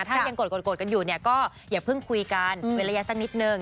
ถ้ายังโกรธกันอยู่ก็อย่าเพิ่งคุยกันเวลาเยียดสักนิดหนึ่ง